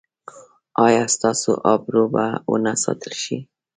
ایا ستاسو ابرو به و نه ساتل شي؟